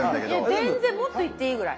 いや全然もっといっていいぐらい。